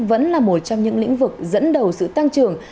vẫn là một trong những lĩnh vực dẫn đầu sự tăng trưởng